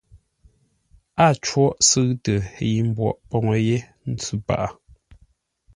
Á cwôʼ sʉ̂ʉtə yi mbwoʼ poŋə yé ntsʉ paghʼə.